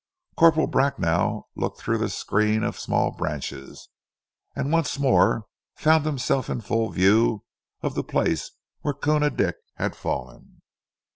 Corporal Bracknell looked through the screen of small branches, and once more found himself in full view of the place where Koona Dick had fallen.